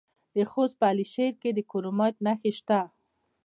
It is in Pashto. د خوست په علي شیر کې د کرومایټ نښې شته.